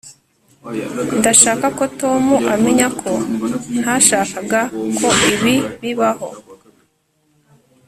ndashaka ko tom amenya ko ntashakaga ko ibi bibaho